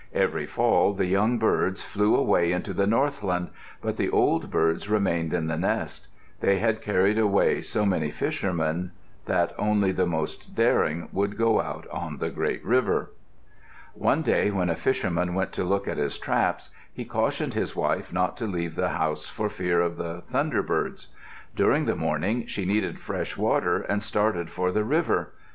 Every fall the young birds flew away into the northland, but the old birds remained in the nest. They had carried away so many fishermen that only the most daring would go out on the great river. One day when a fisherman went to look at his traps, he cautioned his wife not to leave the house for fear of the thunderbirds. During the morning, she needed fresh water and started for the river.